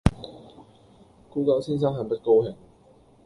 古久先生很不高興。